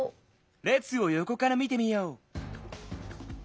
れつをよこからみてみよう。